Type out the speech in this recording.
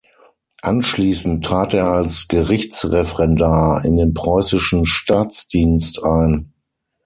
Anschließend trat er als Gerichtsreferendar in den preußischen Staatsdienst ein.